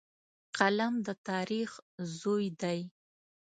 قلم د تاریخ زوی دی